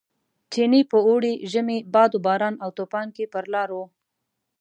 چیني په اوړي، ژمي، باد و باران او توپان کې پر لار و.